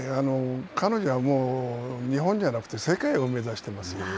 彼女はもう日本じゃなくて、世界を目指してます。